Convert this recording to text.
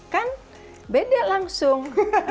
kan beda langsung